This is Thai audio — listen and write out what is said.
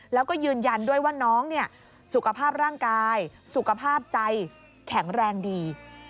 แล้วก็ยืนยันด้วยว่าน้องสุขภาพร่างกายสุขภาพใจแข็งแรงดี